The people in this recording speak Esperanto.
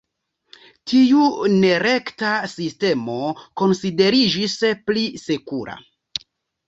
Tiu nerekta sistemo konsideriĝis "pli sekura".